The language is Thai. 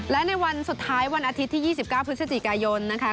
และในวันสุดท้ายวันอาทิตย์ที่๒๙พฤศจิกายนนะคะ